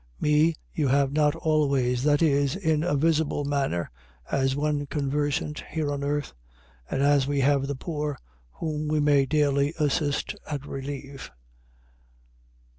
Me you have not always. . .Viz., in a visible manner, as when conversant here on earth; and as we have the poor, whom we may daily assist and relieve.